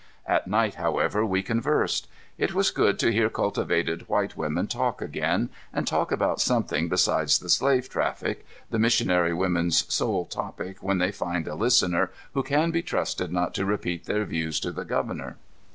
At night, however, we conversed. It was good to hear cultivated white women talk again and talk about something besides the slave traffic, the missionary women's sole topic when they find a listener who can be trusted not to repeat their views to the governor.